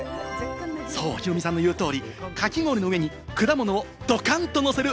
ヒロミさんの言う通り、かき氷の上に果物をドカンとのせる